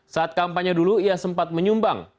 saat kampanye dulu ia sempat menyumbang